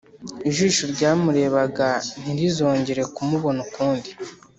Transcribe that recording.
ijisho ryamurebaga ntirizongera kumubona ukundi,